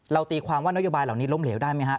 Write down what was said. ตีความว่านโยบายเหล่านี้ล้มเหลวได้ไหมฮะ